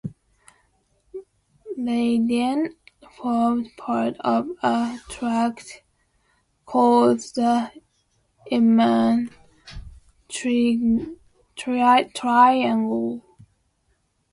Leyden formed part of a tract called the Inman Triangle.